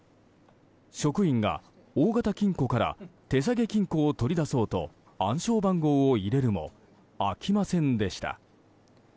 職員が大型金庫から手提げ金庫を取り出そうと暗証番号を入れるも開きませんでした。